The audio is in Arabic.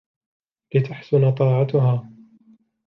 لِتَحْسُنَ طَاعَتُهَا